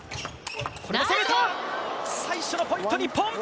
最初のポイント日本！